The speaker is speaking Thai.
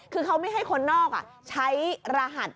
คือเขาไม่ให้คนนอกใช้รหัส